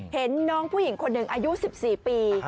เห็นน้องผู้หญิงคนหนึ่งอายุ๑๔ปี